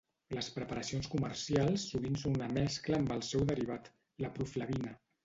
Les preparacions comercials sovint són una mescla amb el seu derivat, la proflavina.